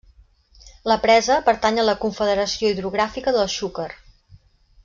La presa pertany a la Confederació Hidrogràfica del Xúquer.